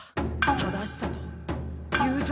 正しさと友情。